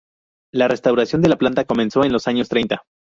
La restauración de la planta comenzó en los años treinta.